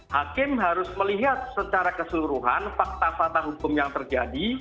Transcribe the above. hakim harus melihat secara keseluruhan fakta fakta hukum yang terjadi